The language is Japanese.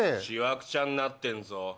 しわくちゃになってんぞ。